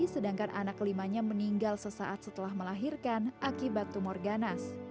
sedangkan anak kelimanya meninggal sesaat setelah melahirkan akibat tumor ganas